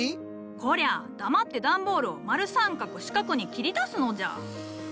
こりゃ黙って段ボールを丸三角四角に切り出すのじゃ。